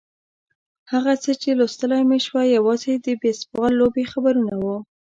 هغه څه چې لوستلای مې شوای یوازې د بېسبال لوبې خبرونه وو.